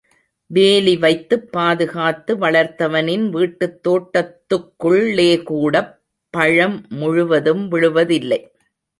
வேலிவைத்துப் பாதுகாத்து வளர்த்தவனின் வீட்டுத் தோட்டத்துக்குள்ளேகூடப் பழம் முழுவதும் விழுவதில்லை.